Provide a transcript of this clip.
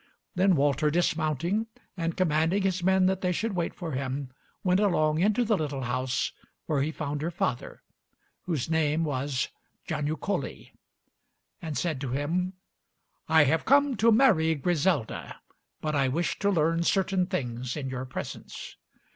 Then Walter, dismounting and commanding his men that they should wait for them, went along into the little house, where he found her father, whose name was Giannucoli, and said to him, "I have come to marry Griselda, but I wish to learn certain things in your presence."